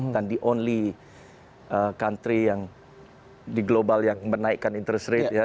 dan the only country yang di global yang menaikkan interest rate ya